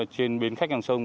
trên bến khách ngang sông